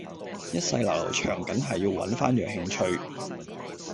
一世流流長緊係要搵返樣興趣